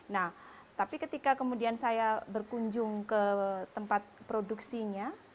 nah tapi ketika kemudian saya berkunjung ke tempat produksinya